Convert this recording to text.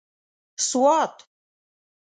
سوات